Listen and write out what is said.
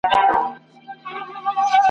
پر اغزنه زخمي لاره چي رانه سې !.